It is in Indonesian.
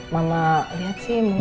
mama lihat sih mungkin